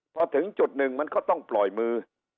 พอถึงจุดหนึ่งมันก็ต้องปล่อยมือ